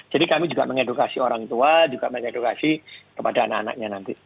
jadi kami juga mengedukasi orang tua juga mengedukasi kepada anak anaknya nanti